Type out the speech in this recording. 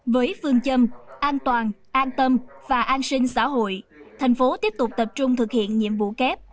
với phương châm an toàn an tâm và an sinh xã hội thành phố tiếp tục tập trung thực hiện nhiệm vụ kép